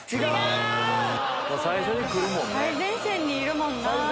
最前線にいるもんなぁ。